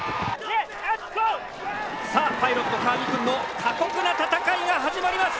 さあパイロット川見くんの過酷な戦いが始まります。